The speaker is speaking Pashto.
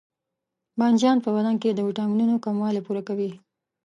بانجان په بدن کې د ویټامینونو کموالی پوره کوي.